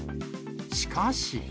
しかし。